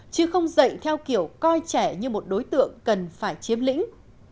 chứ không dạy theo kiểu coi trẻ như một đối tượng cần phải chiếm lĩnh